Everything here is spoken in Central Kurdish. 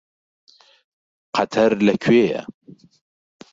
قەتەر لەکوێیە؟